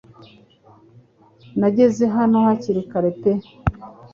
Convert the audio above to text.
Nageze hano hakirikare pe